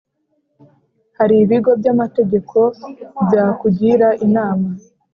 hari ibigo by’amategeko byakugira inama.